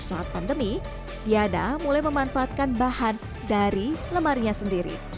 sejak pandemi diana mulai memanfaatkan bahan dari lemarnya sendiri